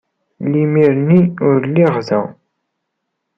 Imir-nni ur lliɣ da.